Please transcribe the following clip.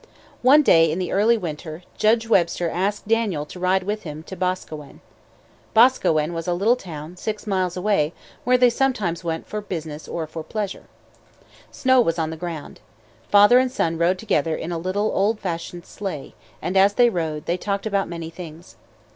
One day in the early winter, Judge Webster asked Daniel to ride with him to Boscawen. Boscawen was a little town, six miles away, where they sometimes went for business or for pleasure. Snow was on the ground. Father and son rode together in a little, old fashioned sleigh; and as they rode, they talked about many things.